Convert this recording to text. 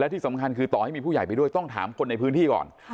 ที่สำคัญคือต่อให้มีผู้ใหญ่ไปด้วยต้องถามคนในพื้นที่ก่อน